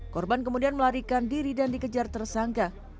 korban kemudian melarikan diri dan dikejar tersangka